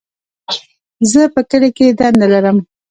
زه په کلي کي دنده لرم.